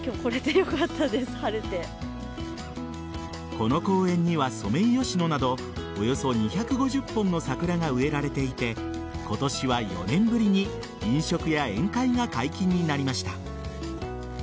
この公園にはソメイヨシノなどおよそ２５０本の桜が植えられていて今年は４年ぶりに飲食や宴会が解禁になりました。